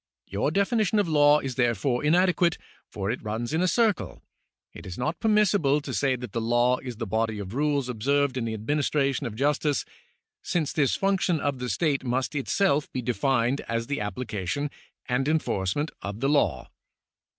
Your definition of law is therefore inadequate, for it runs in a circle. It is not permissible to say that the law is the body of rules observed in the administration of justice, since this function of the state must itself be defined as the application and enforcement of the law."